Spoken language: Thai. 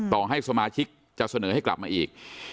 ต่อให้สมาชิกจะเสนอให้กลับมาอีก